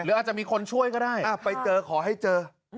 อาจจะมีคนช่วยก็ได้ไปเจอขอให้เจอ